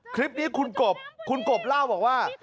คลิปนี้คุณกบคุณกบเล่าบอกว่า